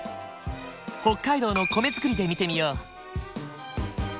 北海道の米作りで見てみよう。